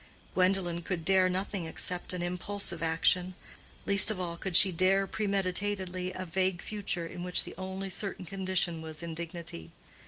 Gwendolen could dare nothing except an impulsive action—least of all could she dare premeditatedly a vague future in which the only certain condition was indignity.